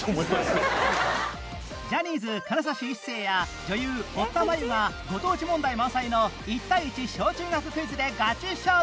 ジャニーズ金指一世や女優堀田真由がご当地問題満載の１対１小中学クイズでガチ勝負。